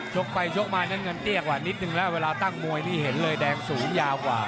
ชกไปชกมาน้ำเงินเตี้ยกว่านิดนึงแล้วเวลาตั้งมวยนี่เห็นเลยแดงสูงยาวกว่า